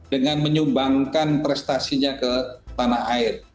dengan menyumbangkan prestasinya ke tanah air